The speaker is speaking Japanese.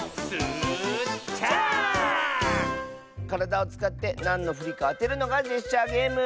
からだをつかってなんのフリかあてるのがジェスチャーゲーム！